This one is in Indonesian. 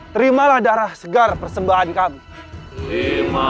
terimalah darah segar persembahan kami